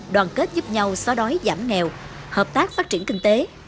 đoàn kết giúp nhau xóa đói giảm nghèo hợp tác phát triển kinh tế